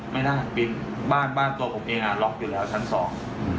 ไม่ได้บินบ้านบ้านตัวผมเองอ่ะล็อกอยู่แล้วชั้นสอง